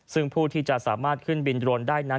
ซึ่งผู้ที่จะสามารถขึ้นบินโดรนได้นั้น